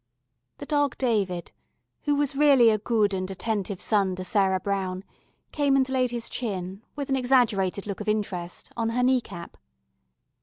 The Dog David, who was really a good and attentive son to Sarah Brown, came and laid his chin, with an exaggerated look of interest, on her knee cap.